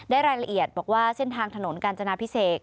รายละเอียดบอกว่าเส้นทางถนนกาญจนาพิเศษ